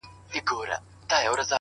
صبر د موخو ساتونکی دی.!